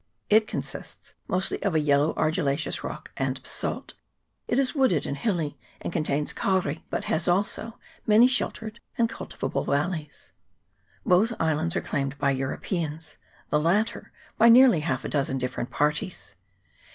It consists mostly of a yellow argillaceous rock and basalt ; it is wooded and hilly, and contains kauri, but has also many sheltered and cultivable valleys. Both islands are claimed by Europeans, the lat ter by nearly half a dozen different parties.